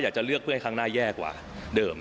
อยากจะเลือกเพื่อให้ครั้งหน้าแย่กว่าเดิม